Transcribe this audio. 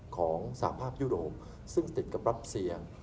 ของสภาพยุโรปซึ่งติดกับรัฐเสียง